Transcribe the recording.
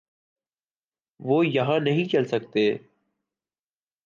وہ یہاں نہیں چل سکتے۔